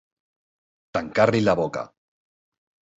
Tancar-li la boca.